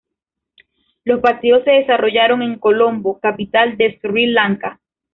Los partidos se desarrollaron en Colombo, capital de Sri Lanka.